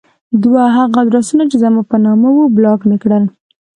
دوه هغه ادرسونه چې زما په نامه وو بلاک مې کړل.